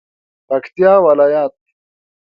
پکتیا ولایت